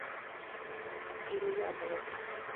In nyambura